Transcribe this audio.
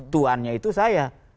tuhannya itu saya